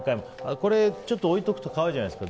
これちょっと置いておくと可愛いじゃないですか。